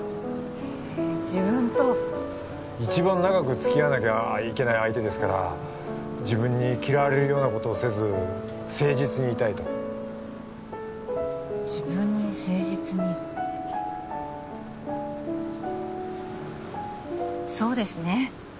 一番長くつきあわなきゃいけない相手ですから自分に嫌われるようなことをせず誠実にいたいと自分に誠実にそうですね